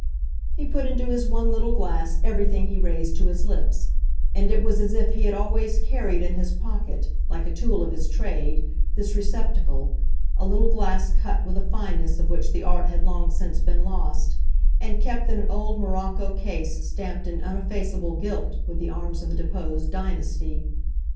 He put into his one little glass everything he raised to his lips, and it was as if he had always carried in his pocket, like a tool of his trade, this receptacle, a little glass cut with a fineness of which the art had long since been lost, and kept in an old morocco case stamped in uneffaceable gilt with the arms of a deposed dynasty.